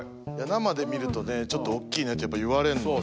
生で見るとねちょっとおっきいねとやっぱ言われんのよ